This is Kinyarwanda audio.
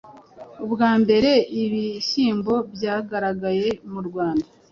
Ubwa mbere, ibihyimbo byagaragaye murwanda